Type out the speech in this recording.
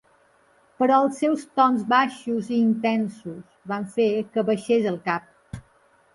Però els seus tons baixos i intensos van fer que abaixés el cap.